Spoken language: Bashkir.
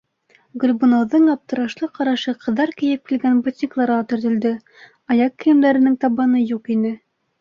- Гөлбаныуҙың аптырашлы ҡарашы ҡыҙҙар кейеп килгән ботинкаларға төртөлдө - аяҡ кейемдәренең табаны юҡ ине.